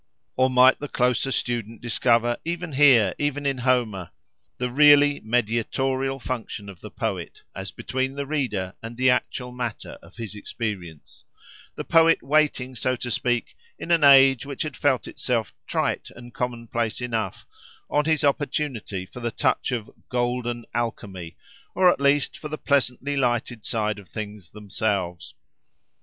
Or might the closer student discover even here, even in Homer, the really mediatorial function of the poet, as between the reader and the actual matter of his experience; the poet waiting, so to speak, in an age which had felt itself trite and commonplace enough, on his opportunity for the touch of "golden alchemy," or at least for the pleasantly lighted side of things themselves?